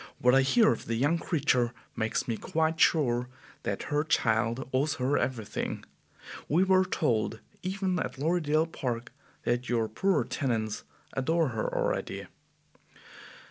What I hear of the young creature makes me quite sure that her child owes her everything. We were told even at Lorridaile Park that your poorer tenants adore her already."